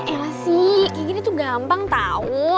elasi kayak gini tuh gampang tau